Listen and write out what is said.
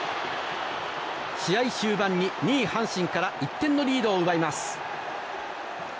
試合終盤に２位、阪神から１点のリードを奪います。